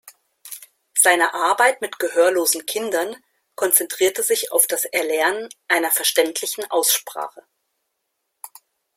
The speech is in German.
Seine Arbeit mit gehörlosen Kindern konzentrierte sich auf das Erlernen einer verständlichen Aussprache.